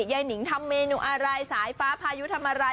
หนิงทำเมนูอะไรสายฟ้าพายุทำอะไร